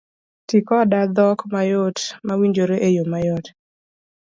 Tii koda dhok mayot mawinjore eyo mayot